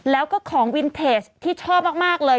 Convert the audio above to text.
แล้วก็ของวินเทจที่ชอบมากเลย